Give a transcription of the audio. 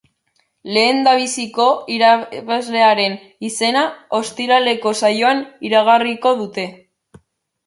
Lehendabiziko irabazlearen izena ostiraleko saioan iragarriko dute.